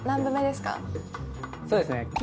そうですね